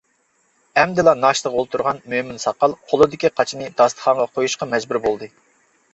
ئەمدىلا ناشتىغا ئولتۇرغان مۆمىن ساقال قولىدىكى قاچىنى داستىخانغا قويۇشقا مەجبۇر بولدى.